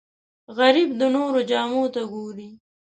غریب د نورو جامو ته ګوري